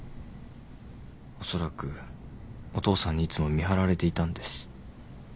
おそらくお父さんにいつも見張られていたんです。